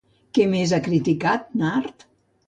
Què més ha criticat Nart?